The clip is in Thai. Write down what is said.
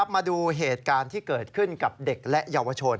มาดูเหตุการณ์ที่เกิดขึ้นกับเด็กและเยาวชน